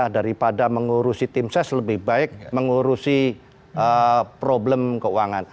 daripada mengurusi tim ses lebih baik mengurusi problem keuangan